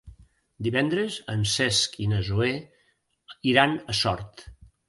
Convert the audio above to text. Divendres en Cesc i na Zoè iran a Sort.